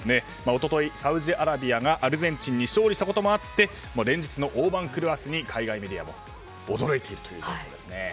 一昨日、サウジアラビアがアルゼンチンに勝利したこともあって連日の大番狂わせに海外メディアも驚いている状況ですね。